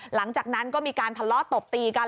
หลังจากนั้นก็มีการทะเลาะตบตีกัน